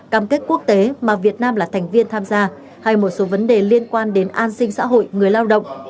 cam kết quốc tế mà việt nam là thành viên tham gia hay một số vấn đề liên quan đến an sinh xã hội người lao động